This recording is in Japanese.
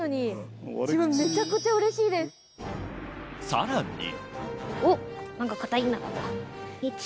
さらに。